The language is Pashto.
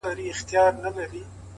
• زړه په پیوند دی ـ